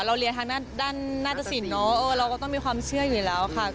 เราเรียนทางด้านหน้าตสินเนอะเราก็ต้องมีความเชื่ออยู่แล้วค่ะ